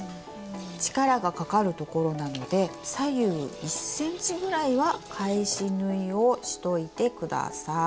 力がかかるところなので左右１ｃｍぐらいは返し縫いをしといて下さい。